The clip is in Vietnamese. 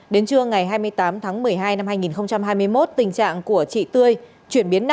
đến trưa ngày hai mươi tám tháng một mươi hai năm hai nghìn hai mươi một tình trạng của chị tươi chuyển biến nặng